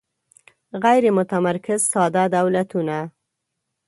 غیر متمرکز ساده دولتونه